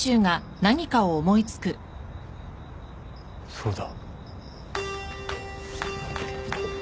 そうだ。